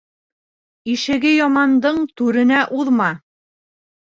Ишеге ямандың түренә уҙма.